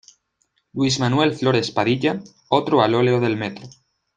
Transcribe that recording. Luis Manuel Flores Padilla, otro al óleo del Mtro.